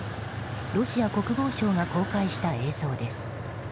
ロシア国防省が公開した映像です。